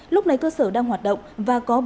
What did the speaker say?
lúc này cơ sở đang hoạt động và có